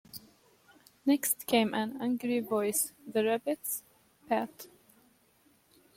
Next came an angry voice—the Rabbit’s—‘Pat’!